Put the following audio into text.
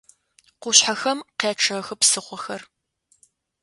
Къушъхьэхэм къячъэхы псыхъохэр.